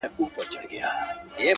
• د ګوربت او د بازانو به مېله سوه,